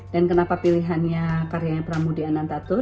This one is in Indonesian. dan kenapa pilihannya karyanya pramudia anantatur